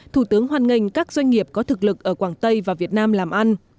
thủ tướng hoan nghênh các doanh nghiệp có thực lực ở quảng tây và việt nam làm ăn